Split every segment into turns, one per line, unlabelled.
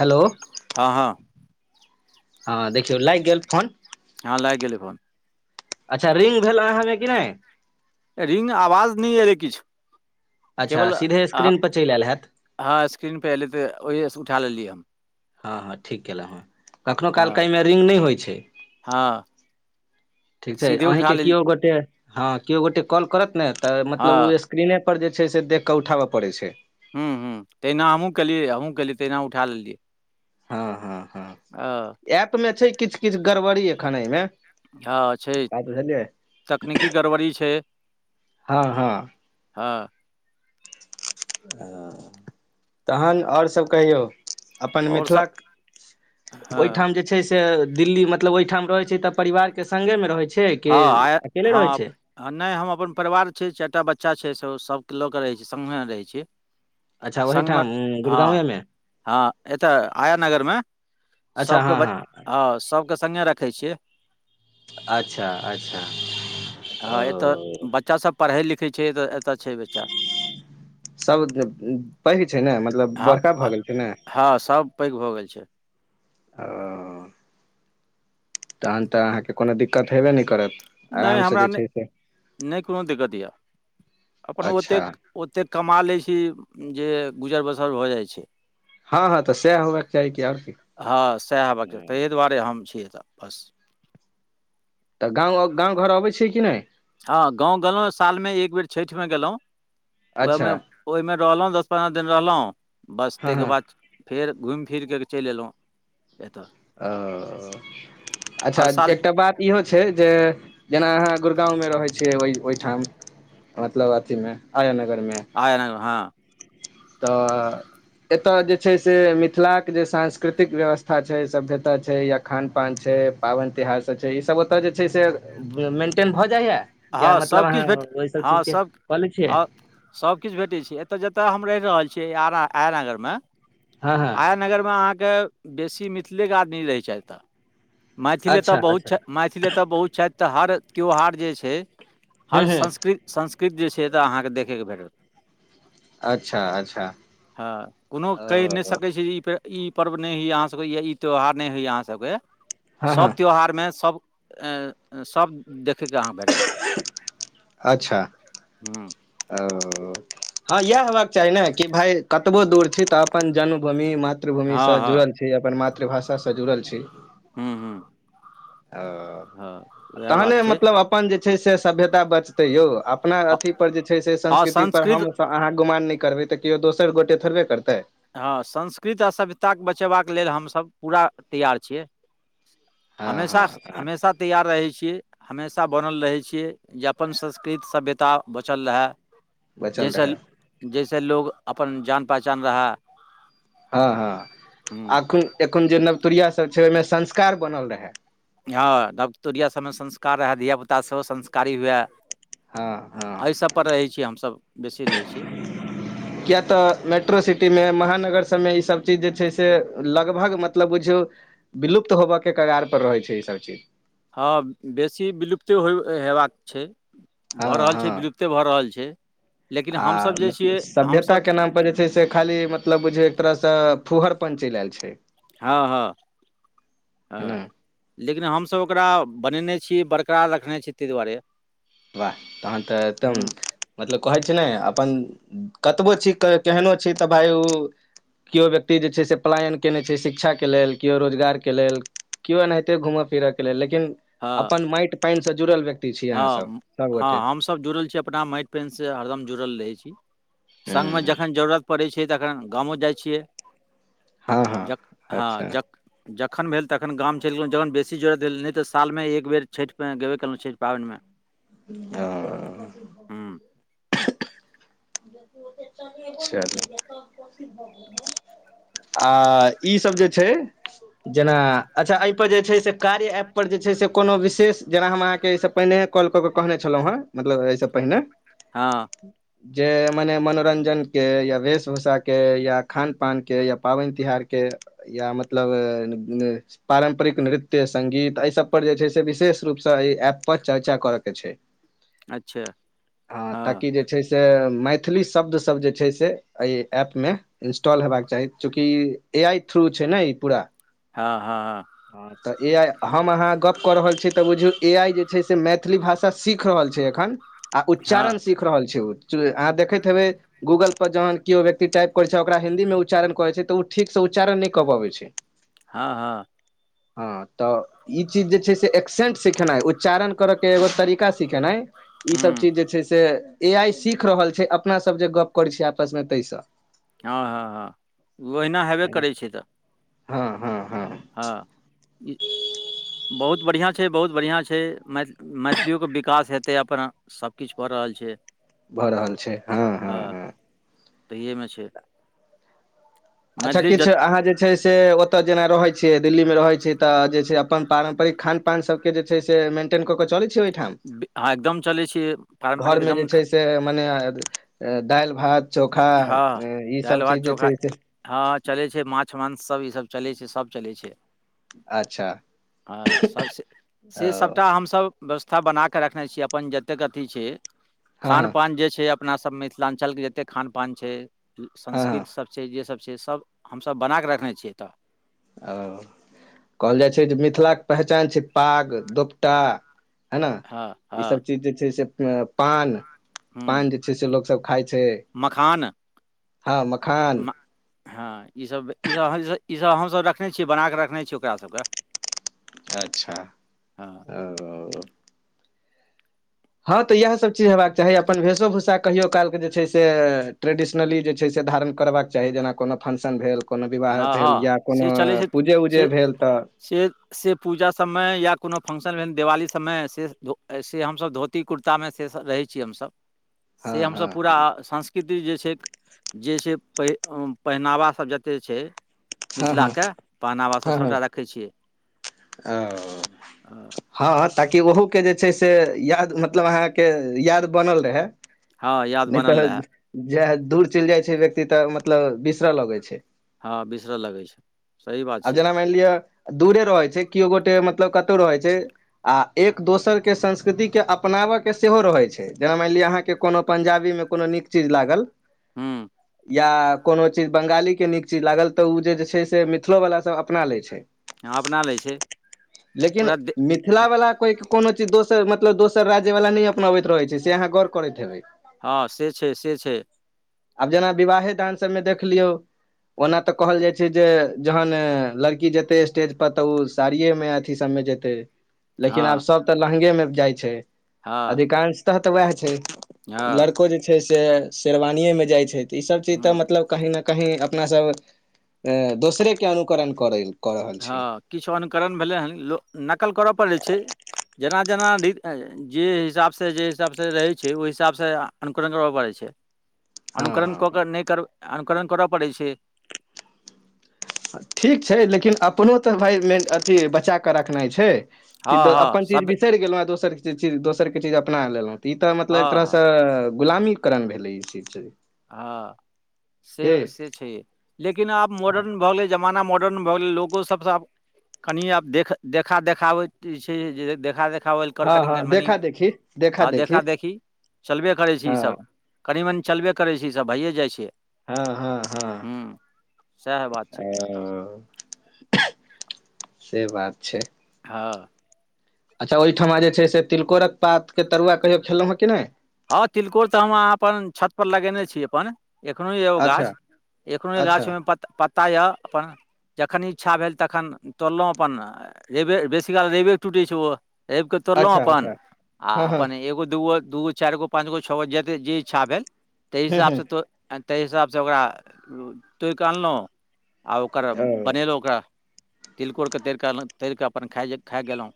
hello
हँ हँ
हँ देखियो लागि गेल फोन
हँ लाग गेलै फोन
अच्छा रिंग भेल अहाँमे कि नहि
रिंग आवाज नहि एले किछु
अच्छा
केवल
सीधे
आ
स्क्रीन पर चलिआयल हयैत
हँ स्क्रीन पर एलैऽ ओहसँ उठा लेलियै हम
हँ हँ ठीक केलहुँ कखनो
हँ
कालके एहिमे रिंग नहि होइ छै
हँ
ठीक छै
सीधे उठा
अहींके
लेल
केओ गोटे हँ केओ गोटे कॉल करत ने तऽ
हँ
मतलब ओ स्क्रीने पर जे छै से देख कऽ उठाबय पड़ै छै
हूँ हँ तहिना हमूँ केलियै हमूँ केलियै तहिना उठा लेलियै
हँ हँ हँ
अ
ऐप में छै किछ किछ गड़बड़ी एखन अय में
हँ छै तकनीकी गड़बड़ी छै
हँ हँ
हँ
तहन आओर सब कहियौ अपन
आओर सब
मिथिलाक
हँ
ओहिठाम जे छै से दिल्ली मतलब ओहिठाम रहै छै त परिवार के संगे मे रहै छै
हँ
की
आय
अकेले
हँ
रहै छै
हँ नहि हम अपन परिवार छी चारिटा बच्चा छै से सभके लऽ कऽ रहै छी संगे रहै छी
अच्छा
संगमे
ओहिठाम
हँ
गुड़गांवे मे
हँ एत आया नगर मे
अच्छा
सबके
हँ
बच हँ सबके संगे रखै छियै
अच्छा अच्छा
हँ एतऽ
ओ
बच्चा सभ पढ़ै लिखै छै तऽ एतऽ छै बच्चा
सब पैघ छै ने मतलब
हँ
बड़का भऽ
अ-
गेल छै ने
हँ सब पैघ भऽ गेल छै [inaudible]
तखन तऽ अहाँकेँ कोनो दिक्कत हेबे नहि करत
नहि
आरामसँ
हमरा
जे छै से
नहि नहि कोनो दिक्कत यए अपन
अच्छा
ओतेक ओतेक कमा लै छी जे गुजर बसर भऽ जाइ छै
हँ हँ तऽ सएह होबाक चाही की आर
हँ सएह हेबाक चा ताहि दुआरे हम छियै त बस
तऽ गाँव गाँव घर आबै छियै कि नहि
हँ गाव गेलहुँ साल में एक बेर छठि मे गेलहुँ ओएहि मे
अच्छा
ओहिमे रहलहुँ दस पन्द्रह दिन रहलहुँ बस
हँ
ताहिके
हँ
बाद फेर घुमि फिरि कऽ चलि अयलहुँ एतय
ओ अच्छा
हर साल
एकटा बात इहो छै जे जेना अहाँ गुड़गााँंव मे रहै छियै ओ ओहिठाम मतलब अथी में आया नगर में
आया नगर हँ
तऽ एतय जे छै से मिथिलाक के जे सांस्कृतिक व्यवस्था छै सभ्यता छै या खान पान छै पाबनि तिहार सब छै ईसभ ओतय जे छै से मेन्टेन भऽ जाइया या
हँ
मतलब
सबकिछु
अहाँ
भेट
ओहि सब चीज के क ले छियै
सबकिछु भेटै छै एतय जतय हम रहि रहल छियै आ आयनगर मे
हँ हँ
आय नगर मे अहाँके बेसी मिथिलेके आदमी रहैत छै तऽ मैथिली एतऽ
अच्छा
बहुत
अच्छा
छथि मैथिली एतऽ बहुत छथि तऽ हर त्यौहार जे छै
हूँ
हर
हूँ
संस्कृत संस्कृत जे छै तऽ अहाँकेँ देखयके भेटत
अच्छा अच्छा
हँ कोनो कहि नहि
ओ
सकै छै ई पे ई पर्व नहि होइए अहाँसभके यही त्यौहार नहि होइए अहाँसभके
हँ हँ
सभ त्यौहारमे सभ सभ देखयके अहाँ भेट
अच्छा
हूँ
ओ हँ इएह हेबाक चाही ने कि भाई कतबो दूर छी तऽ अपन जन्मभूमि म
हँ
मातृभूमिसँ
हँ
जुड़ल छी अपन मातृभाषासँ जुड़ल छी
हुँ हुँ
ओ
उएह बात
तहने
छै
मतलब अपन जे छै से सभ्यता बचतै यौ अपना अथीपर जे छै से
हँ
संस्कृतिपर
संस्कृत
हम तऽ अहाँ गुमान नहि करबै तऽ केओ दोसर गोटे थोड़बे करतै
हँ संस्कृत आ सभ्यता के बचेबाक लेल हमसभ पूरा तैयार छियै
हँ
हमेशा
हँ हँ
हमेशा तैयार रहै छियै हमेशा बनल रहै छियै जे अपन संस्कृत सभ्यता बचल रहै
बचल
जैस
रहै
जैसे लोग अपन जान पहचान रहा
हँ
हूँ
हँ एखन एखन जे नवतुुरिया सब छै ओहिमे संस्कार बनल रहै
हँ नवतोरिया सभमे संस्कार रहए धियापुतास सेहो संस्कारी हुए
हँ हँ
एहि सब पर रहैत छी हमसब बेसी रहै छी
[inaudible] किए तऽ मेट्रो सिटीमे महानगर सभमे ईसभ चीज जे छै से लगभग मतलब बुझियौ विलुप्त होबऽके कगारप पर रहै छै ई सब चीज
हँ बेसी विलुप्ते हो हेबाक छै
हँ
भऽ रहल छै
हँ
विलुप्ते भऽ रहल छै लेकिन
आ
हमसभ जे छियै हमसभ
सभ्यताके नाम पर जे छै से खाली मतलब मतलब बुझियौ एक तरहसँ फुहरपन चलि आयल छै
हँ हँ
है ने
हँ लेकिन हमसभ ओकरा बनेने छीयै बरकरार रखने छी ताहि दुआरे
वाह तहन तऽ एकदम
हूँ
मतलब कहै छै ने अपन कतबो छी केहनो छी तऽ भाई ओ केओ व्यक्ति जे छै से पलायन कयने छै शिक्षाके लेल केओ रोजगारके लेल कि ओनहिते घूमय फिरय के लेल लेकिन
हँ
अपन माटि पानिसँ जुड़ल व्यक्ति छियै अहाँसभ
हँ
सभगोटे
हँ हमस जुड़ल छी अपना माटि पेनसँ हरदम जुड़ल रहै छी संगमे
हूँ
जखन जरूरत जखन जरूरत परय छै तखन गामो जाय छियै
हँ हँ अच्छा
जखन भेल तखन गाम चलि गेलहुँ जखन बेसी जरुरत भेल नहि तऽ साल मे एक बेर छठि में गेबे केलहू पाबनिमे
ह
हूँ
चलु आ ईसभ जे छै जेना अच्छा एहि पर जे छै से कार्य ऐप पर जे छै से कोनो विशेष जेना हम अहाँके एहिसँ पहिने कॉल कऽ केऽ कहने छलहुँ हेँ मतलब एहिसँ पहिने
हँ
जे मने मनोरंजन के या वेश भूषा के या खान पान के या पाबनि तिहार के या मतलब पारम्परिक नृत्य संगित एहिसभपर जे छै से विशेष रूपसँ एहि ऐप पर चर्चा करयके छै
अच्छा
ह
हँ
ताकि जे छै से मै मैथिली शब्द सब जे छै से एहि एप मे इंस्टॉल हेबा के चाही कि ए आई थ्रू छै ने ई पूरा
हँ हँ हँ
अचछा [inaudible] तऽ ए आइ हम अहाँ गप्प कऽ रहल छी तऽ बुझूयो ए आइ जे छै से मैथिली भाषा सीख रहल छै एखन आ उच्चारण
हँ
सीख रहल छै ओ अहाँ देखैत हेबै गूगल पर जहन कयो व्यक्ति टाइप करय छै ओकरा हिन्दी मे उच्चारण कर छै त ओ ठीक से उच्चारण नहि कऽ पबै छै [inaudible]
हँ हँ
हँ तऽ ई चीज जे छै से एक्सेंट सिखेनाइ उच्चारण करयके एगो तरीका सिखेनाइ ईसभ
हूँ
चीज जे छै से ए आइ सीख रहल छै अपना सब जे गप करै छीयै आपसमे तहिसँ
हँ हँ हँ ओहिना हेबे करै छै तऽ
हँ हँ हँ
हँ ई बहुत बढ़िआँ छै बहुत बढ़िआँ छै मै मैथिइयोके विकास हेतै अपन सब किछ भऽ रहल छै
भऽ रहल छै हँ हँ
हँ तहिेमे छै
अच्छा
मैथिली
किछ
जत
अहाँ जे जे छै से ओतऽ जेना रहै छियै दिल्ली में रहै छियै तऽ जे छै अपन पारम्परिक खान पान सब के जे छै से मेन्टेन कऽ के चलै छै ओहिठाम
हँ एकदम चलै छियै पारम्परिक
घरमे जे
एकदम ख
छै से मने दाइल भात चोखा
हँ
ई सब
दालि भात
चीज जे
चोखा
छै से
हँ चलै छै माछ मांससभ ईसभ चलै छै सभ चलै छै
अच्छा
हँ सब से
ओ
से सबटा हमसभ व्यवस्था बनाक रखने छी अपन जतेक अथी छै
हँ
खान
हँ
पान जे छै अपना सब मिथिलाञ्चलके जतेक खानपान छै
हँ हँ
संस्कृति सब छै जे सब छै सब हमसभ बना कऽ रखने छियै तऽ
ओ कहल जाइ छै जे मिथिलाके पहचान छै पाग दोपटा है ने
हँ हँ
ईसभ चीज जे छै से अ पान
ह्म
पान जे छै से लोक सब खाय छै
मखान
हँ मखान
हँ ईसभ ईसभ ईसभ हमसभ रखने छियै बना कऽ रखने छीयै ओकरा सबके
अच्छा
हँ
ओ हँ तऽ इएह सब चीज हेबाक चाही अपन वेशो भूषा के कहियो काल के जे छै से ट्रेडिशनली जे छै से धारण करबाक चाही जेना कोनो फंक्शन भेल कोनो विवाह
हँ
भेल
हँ
या
से
कोनो
चलै छै
पूजे उजे
से
भेल तऽ
से से पूजा सबमे या कोनो फंक्शन भेल दिवाली सबमे से से हमसब धो ती कुर्ता मे से रहै छी हमसब से
हँ हँ
हमसब पूरा सांस्कृ ति जे छै जे छै प पहिनावा सभ जते छै
हँ हँ
मिथिलाके पहनावा सब
हँ हँ
सभटा रखै छियै
हँ
अ
हँ ताकि ओहोके जे छै से याद मतलब अहाँके याद बनल रहै
हँ याद
नहि
बनल
तऽ
रहए
जे दूर चलि जाइ छै व्यक्ति तऽ मतलब बिसरऽ लगै छै
हँ बिसरऽ लगै छै सही बात
आ
छियै
जेना मानि लिअ दूरे रहै छै केओ गोटे मतलब कतहु रहै छै आ एक दोसरके संस्कृतिके अपनाबयके सेहो रहै छै जेना मानि लिअ अहाँके कोनो पंजाबी मे कोनो नीक चीज लागल
ह्म
या कोनो चीज बंगाली के नीक चीज लागल ते उ जे छै से मिथिलो वला सब अपना लै छै
अपना लै छै
लेकिन
पूरा दे
मि थिला वला कोइ कोनो चीज दोसर मतलब दोसर राज्य वाला नहि अपनाबैत रहै छै से अहाँ गौर करैत हेबै
हँ से छै से छै
आब जेना विवाहे दान सब मे देखलियो ओना ते कहल जाय छै जे जहन लड़की जेते स्टेज पर तऽ ओ साड़ियए मे अथी सबमे जेते
हँ
लेकिन आब सब तऽ लहंगे मे जाइ छै
हँ
अधिकांशतः तऽ उएह छै
हँ
लड़को जे छै से शेरवानिएमे जाइत छै तऽ ईसभ चीज तऽ
हुँ
मतलब कहीं न कही अपना सब अ दोसरेके अनुकरण करेल
हँ किछु अनुकरण भेलै हन लोको नकल करय पड़ै छै जेना जेना जे हिसाबसँ जे हिसाबसँ रहै छै ओहि हिसाबसँ अनकुरण करबय पड़ैत छै
[inaudible]
अनुकरण
हँ
क क नहि कर अनुकरण कर पड़ै छै
ठीक छै लेकिन अपनो तऽ भाय मेन अथी बचा कऽ रखनाइ छै
हँ
किदो
हँ
अपन चीज
सभ्य
बिसरि गेलहुँ आ दोसर के चीज दोसर के चीज अपना लेलहुँ तऽ ई तऽ मतलब
हँ
एक
हँ
तरहसँ गुलामीकरण भेलै ई चीज
हँ
के
से से छै लेकिन आब मॉडर्न भऽ गेलै जम जमाना मॉडर्न भऽ गेलै लोको सबसँ आब कनि आब देख देखा देखाबैत जे छै से देखा देख देखावल कर
हँ हँ
कनिक मनी
देखा देखी
हँ देखा देखी चलबे करै छै ई
हँ
सब कनि मनि चलबे करै छै ईसभ भैए जाइ छै
हँ हँ हँ
हूँ सएह बात छै
ओ से बात छै
हँ
अच्छा ओहिठमा जे छै से तिलकोरक पातके तरुआ कहियो खेलहुँ हं कि नहि
हँ तिलकोर तऽ हम अहाँ अपन छत पर लगेने छी अपन एखनो यए ओ
अच्छा
गाछ एखनो ओई
अच्छा
गाछ मे प पत्ता यए अपन जखन इच्छा भेल तखन तोड़लहुँ अपन रैवे बेसी काल रैवे के टूटै छै ओ रवि के तोड़लहुं
अच्छा
अपन
अच्छा
आ
हँ हँ
अपन एगो दूगो दूगो चारि गो पाँच गो छौगो जते जे इच्छा भेल ताहि
हूँ
हिसाब
हूँ
से तो आ ताहि हिसाबसँ ओकरा तोड़ कऽ अनलहुँ आ ओकर
ओ
बनेलहुँ ओकरा तिलकोरके तरिकऽ तरिकऽ अपन खाइ खाई गेलहुँ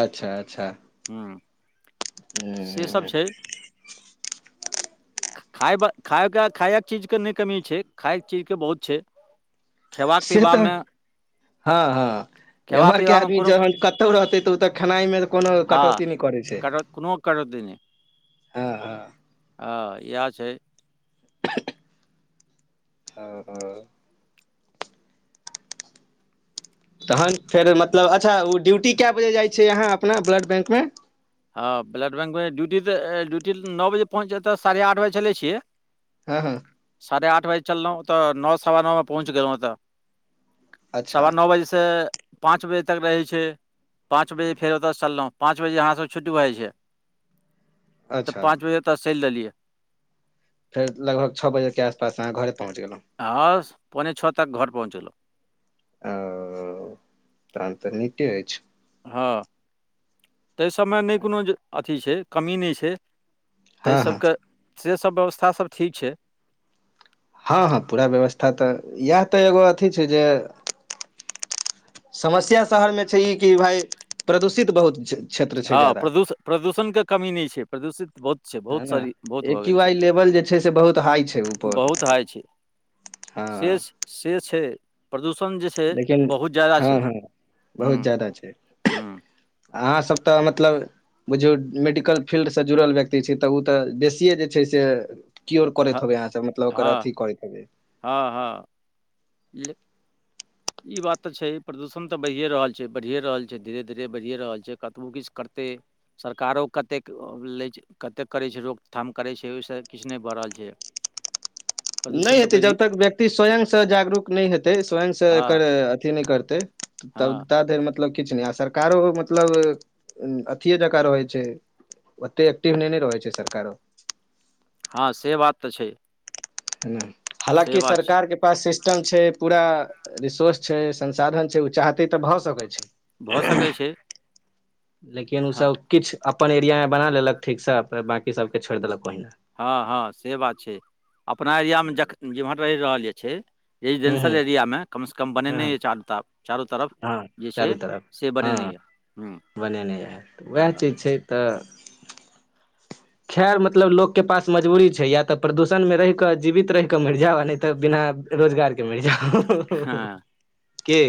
अच्छा अच्छा
हूँ
हूँ
से
हूँ
सभ
हूँ
छै
[inaudible]
खायब खायक खायक चीजके नहि कमी छै खायक चीजके बहुत छै खेबाक
से तऽ
पीबामे
हँ हँ
खेबा
एम्हरके
पीबामे
आदमी
कोनो
जहन क कत्तौ रहतै तऽ ओ तऽ खेनाइ मेऽ कोनो
हँ
कटौती नहि करै छै
कटौत कोनो कटौती
हँ हँ
ह इएह छै
[inaudible] ह ह तहन फेर मतलब अच्छा ओ ड्यूटी कै बजे जाइ छियै अहाँ अपना ब्लड बैंक मे
हँ ब्लड बैंकमे ड्यूटी तऽ ड्यूटी नौ बजे पहुँचै त साढ़े आठ बजे चलै छियै
हँ हँ
साढ़े आठ बजे चलहुँ तऽ नौ सवा नौमे पहुँच गेलहुँ ओतऽ
अच्छा
सवा नौ बजे से पाँच बजे तक रहै छै पाँच बजे फेर ओतय सँ चललहुं पाँच बजे यहाँ स छुट्टी भऽ जाइ छै तऽ
अच्छा
पाँच बजे ओतय से चलि देलियै
फेर लगभग छौ बजे के आसपास अहाँ घरे पहुंच गेलहुँ
हँ पौने छौ तक घर पहुँचलौं
औ तहन तऽ नीके अछि
हँ ताहि सभमे नहि कोनो जे अथी छै कमी नहि छै ताहि
हँ हँ
सभके सेसभ व्यवस्था सभ ठीक छै
हँ हँ पूरा व्यवस्था तऽ इएह तऽ एगो अथी छै जे समस्या शहर मे छै ई कि भाय प्रदूषित बहुत छै क्षेत्र
हँ
ज्यादा
प्रदूष प्रदूषणके कमी नहि छै प्रदूषित बहुत छै
है
बहुत
ने
सरी बहुत
ए
भऽ
क्यू
गेल
आई
छै
लेवल जे से बहुत हाइ छै पर
बहुत हाइ छै
हँ
से से छै प्रदूषण जे छै
लेकिन
बहुत ज्यादा छै
हँ हँ
हूँ
बहुत जादा छै
हूँ
अहाँसभ तऽ मतलब बुझियौ मेडिकल फील्डसँ जुड़ल व्यक्ति छै तऽ ओ तऽ बेसिए जे छै से किओर
हँ
करैत हबै अहाँ सब मतलब ओकररा
हँ
अथी करैतै
हँ हँ हुँ ई बात तऽ छै प्रदूषण तऽ बढ़िए रहल छै बढ़िए रहल छै धीरे धीरे बढ़िए रहल छै कतबो किछु करतै सरकारो कतेक लैय छ कतेक करै छै रोकथाम करैत छै ओहिसँ किछु नहि भ रहल छै
नहि
प्रदूषण तऽ
हेतै
बढ़ि
जब तक व्यक्ति स्वयंसँ जागरूक नहि हेतै स्वयं से
हँ
एकर अथी नहि करते
हँ
ताबै ता धरि मत मतलब किछु नहि आ सरकारो मतलब अथिये जेकाँ रहै छै ओते एक्टिव नहि ने रहै छै सरकारो
हँ से बात तऽ छै
हँ
से
हँलाकि
बात छै
सरकार के पास सिस्टम छै पूरा रिसोर्स छै संसाधन छै ओ चाहते तऽ भऽ सकैत छै
भऽ सकैत छै
लेकिन ओ
हँ
सब किछु अपन एरिया मे बना लेलक ठीकसँ बकी सबके छोड़ि देलक ओहिने
हँ हँ से बात छै अपना एरिियामे जख जेम्हर रहि रहल यऽ छै
हूँ हूँ
रेजिडेंसल एरियामे कमसँ कम
हँ
बनेइ चारू त आब
हँ चारू तरफ
बनेने
हँ
यए हूँ
बनेने यए उएह
हँ
चीज छै तऽ खैर मतलब लोकके पास मजबूरी छै या तऽ प्रदूषण मे रहिके जीवित रहिके मरि जाय नहि तऽ बिना रोजगार के मर जाउ
हँ
कि